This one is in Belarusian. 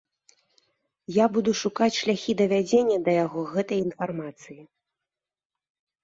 Я буду шукаць шляхі давядзення да яго гэтай інфармацыі.